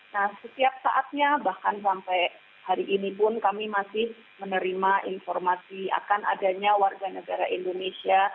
nah setiap saatnya bahkan sampai hari ini pun kami masih menerima informasi akan adanya warga negara indonesia